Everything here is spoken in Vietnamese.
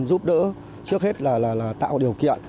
giúp đỡ trước hết là tạo điều kiện